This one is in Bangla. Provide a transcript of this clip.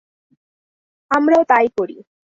আমরাও তাই করি।